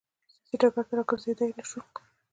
سیاسي ډګر ته راګرځېدای نه شول.